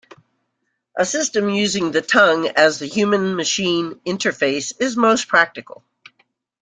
A system using the tongue as the human-machine interface is most practical.